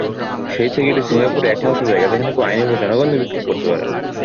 সেই থেকে, এটি সিঙ্গাপুরে একমাত্র জায়গা যেখানে কেউ আইনিভাবে জনগণ নিয়ে বিক্ষোভ করতে পারে।